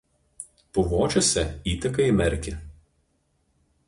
Puvočiuose įteka į Merkį.